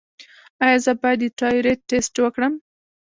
ایا زه باید د تایرايډ ټسټ وکړم؟